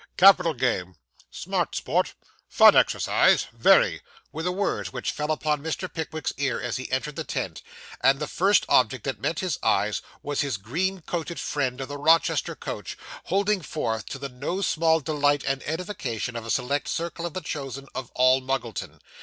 'Capital game smart sport fine exercise very,' were the words which fell upon Mr. Pickwick's ear as he entered the tent; and the first object that met his eyes was his green coated friend of the Rochester coach, holding forth, to the no small delight and edification of a select circle of the chosen of All Muggleton.